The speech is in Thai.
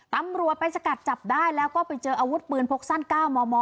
ตำรวจไปสกัดจับได้แล้วก็ไปเจออาวุธปืนพกสั้น๙มม